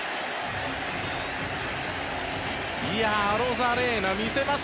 アロザレーナ、見せます。